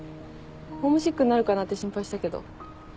ホームシックになるかなって心配したけど。